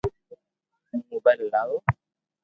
ھون موبائل ھلاو